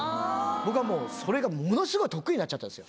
僕はもう、それがものすごい得意になっちゃったんですよ。